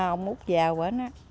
ông út giàu bến